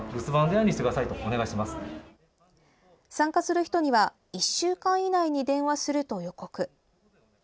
参加する人には１週間以内に電話すると予告。